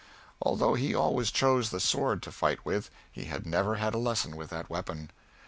Although he always chose the sword to fight with, he had never had a lesson with that weapon.